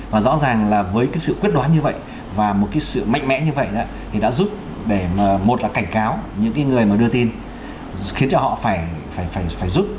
và rõ ràng là với cái sự quyết đoán như vậy và một cái sự mạnh mẽ như vậy thì đã giúp để một là cảnh cáo những người mà đưa tin khiến cho họ phải giúp